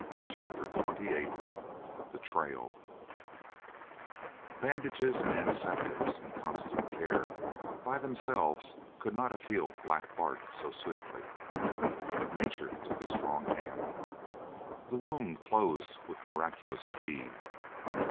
CHAPTER XXVIII THE TRAIL Bandages and antiseptics and constant care, by themselves could not have healed Black Bart so swiftly, but nature took a strong hand. The wound closed with miraculous speed.